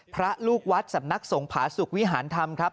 พระลูกวัดสำนักสงผาสุกวิหารธรรมครับ